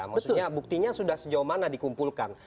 maksudnya buktinya sudah sejauh mana dikumpulkan